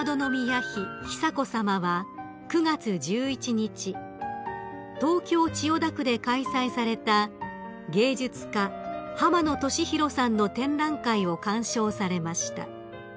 久子さまは９月１１日東京千代田区で開催された芸術家濱野年宏さんの展覧会を鑑賞されました］